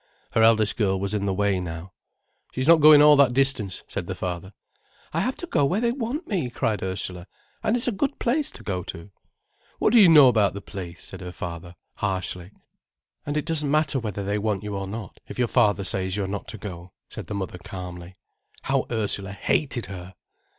Her eldest girl was in the way now. "She's not going all that distance," said the father. "I have to go where they want me," cried Ursula. "And it's a good place to go to." "What do you know about the place?" said her father harshly. "And it doesn't matter whether they want you or not, if your father says you are not to go," said the mother calmly. How Ursula hated her!